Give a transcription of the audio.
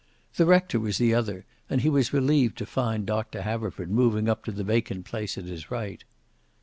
The rector was the other, and he was relieved to find Doctor Haverford moving up to the vacant place at his right.